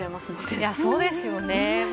いやそうですよね。